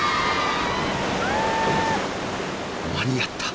［間に合った］